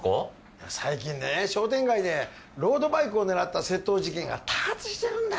最近ね商店街でロードバイクを狙った窃盗事件が多発してるんだよ。